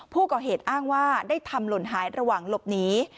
ผู้ก่อเหตุอ้างว่าได้ทำหล่นหายระหว่างหลบหนี